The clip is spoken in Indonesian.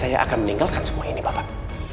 saya akan meninggalkan semua ini bapak